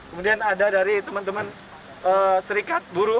kemudian ada dari teman teman serikat buruh